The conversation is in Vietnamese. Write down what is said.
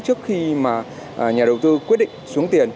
trước khi mà nhà đầu tư quyết định xuống tiền